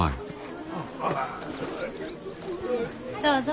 どうぞ。